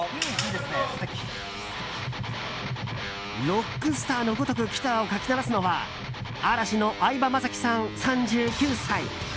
ロックスターのごとくギターをかき鳴らすのは嵐の相葉雅紀さん、３９歳。